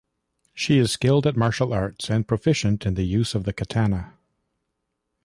She is skilled at martial arts and proficient in the use of the katana.